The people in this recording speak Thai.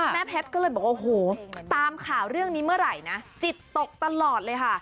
แพทย์ก็เลยบอกว่าโอ้โหตามข่าวเรื่องนี้เมื่อไหร่นะจิตตกตลอดเลยค่ะ